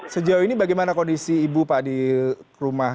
sejauh ini bagaimana kondisi ibu pak di rumah